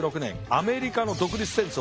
アメリカの独立戦争